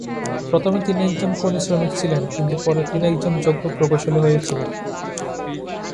প্রথমে তিনি একজন খনিশ্রমিক ছিলেন কিন্তু পরে তিনি একজন যোগ্য প্রকৌশলী হয়েছিলেন।